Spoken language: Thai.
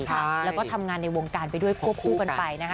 แล้วก็ทำงานในวงการไปด้วยควบคู่กันไปนะคะ